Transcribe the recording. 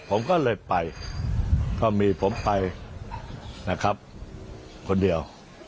ผมก็เลยไปก็มีผมไปนะครับคนเดียว